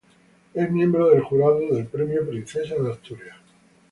Es miembro del Jurado del Premio Princesa de Asturias.